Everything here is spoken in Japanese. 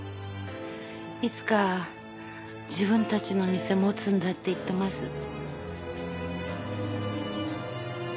いつか自分たちの店持つんだって言ってます。